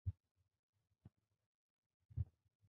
তোমরা জানো এর অর্থ কী?